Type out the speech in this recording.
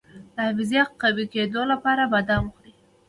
د حافظې د قوي کیدو لپاره بادام وخورئ